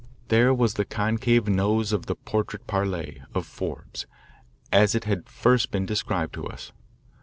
There was the concave nose of the "portrait parle" " of Forbes, as it had first been described to us.